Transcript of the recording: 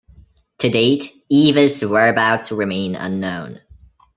To date, Eeva's whereabouts remain unknown.